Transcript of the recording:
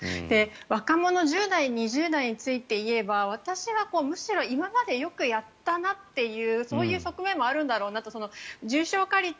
若者、１０代２０代についていえば私はむしろ今までよくやったなという側面もあるんだろうなと。